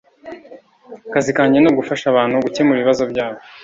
Akazi kanjye ni ugufasha abantu gukemura ibibazo byabo